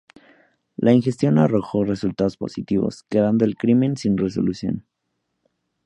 La investigación no arrojó resultados positivos, quedando el crimen sin resolución.